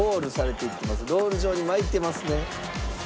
ロール状に巻いてますね。